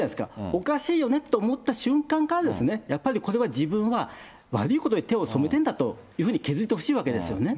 おかしいよねと思った瞬間から、やっぱりこれは自分は悪いことに手を染めてるんだというふうに、気付いてほしいわけですよね。